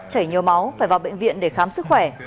chảy nhiều máu phải vào bệnh viện để khám sức khỏe